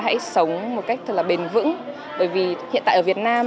hãy sống một cách thật là bền vững bởi vì hiện tại ở việt nam